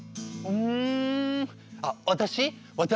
うん。